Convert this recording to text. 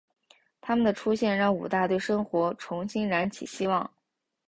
她们的出现让武大对生活重新燃起希望。